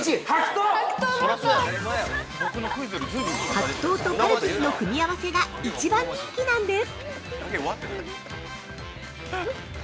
◆白桃とカルピスの組み合わせが、一番人気なんです。